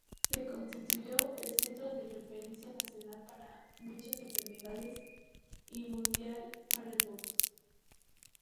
Se constituyó en centro de referencia nacional para muchas enfermedades y mundial para algunas.